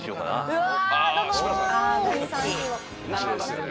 うわ。